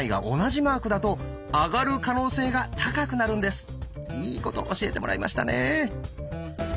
答えはいいこと教えてもらいましたね。